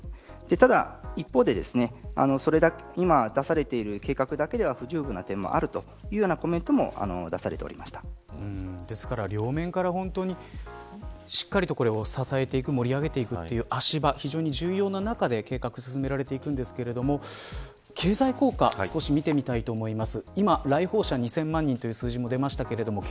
ただ一方で今、出されている計画だけでは不十分な点もあるというコメントもですから両面からしっかりとこれを支えていく盛り上げていくという足場非常に重要な中で計画が進められていくんですが経済効果を少し見てみたいと思います。